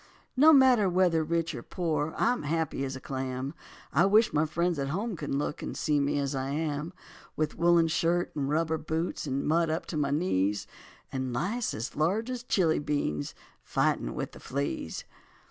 No matter whether rich or poor, I'm happy as a clam. I wish my friends at home could look And see me as I am. With woolen shirt and rubber boots, In mud up to my knees, And lice as large as chili beans Fighting with the fleas.